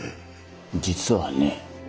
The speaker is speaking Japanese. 実はね